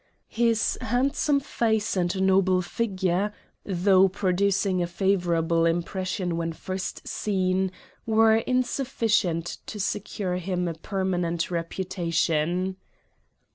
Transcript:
His handsome face and noble figure, though producing a favorable im pression when first seen, were insufficient to secure him a permanent reputation.